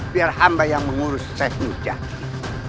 biar hamba yang mengurus saya nur jatwi